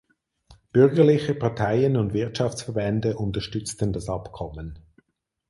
Bürgerliche Parteien und Wirtschaftsverbände unterstützten das Abkommen.